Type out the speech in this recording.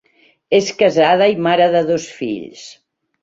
És casada i mare de dos fills.